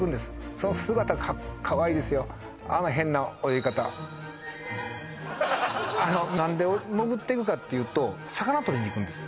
その姿かわいいですよあの変な泳ぎ方何で潜ってくかっていうと魚をとりに行くんです